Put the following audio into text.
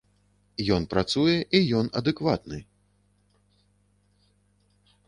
Ён працуе, і ён адэкватны.